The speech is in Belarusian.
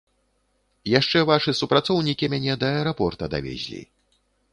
Яшчэ вашы супрацоўнікі мяне да аэрапорта давезлі.